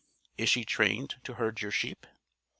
Is she trained to herd your sheep?"